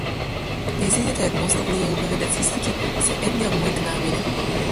Нејзините едноставни и убави детски слики се едни од моите најомилени.